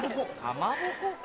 かまぼこか。